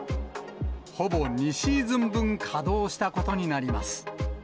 ほぼ２シーズン分稼働したことになります。